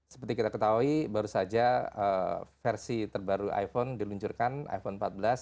seperti kita ketahui baru saja versi terbaru iphone diluncurkan iphone empat belas